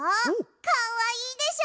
かわいいでしょ。